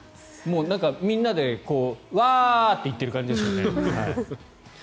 みんなでワーッて行っている感じですよね。